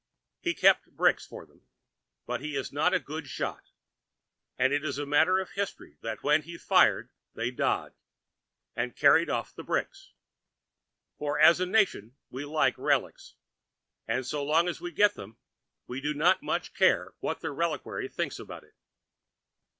He kept bricks for them, but he was not a good shot, and it is matter of history that when he fired they dodged, and carried off the brick; for as a nation we like relics, and so long as we get them we do not much care what the reliquary thinks about it.